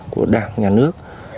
của đảng nhà nước